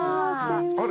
あれ？